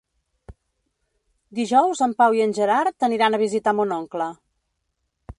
Dijous en Pau i en Gerard aniran a visitar mon oncle.